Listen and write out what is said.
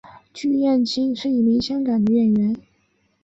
区燕青是一名香港女演员。